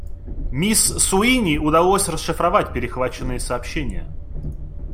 Мисс Суини удалось расшифровать перехваченные сообщения.